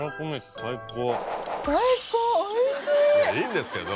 いいんですけど。